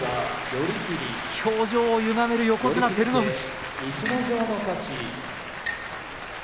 表情をゆがめる横綱照ノ富士。